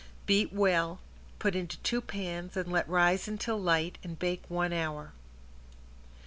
Beat well, put into two pans and let rise until light and bake one hour.